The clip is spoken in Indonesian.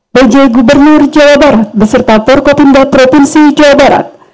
bajaj gubernur jawa barat beserta porkopimda provinsi jawa barat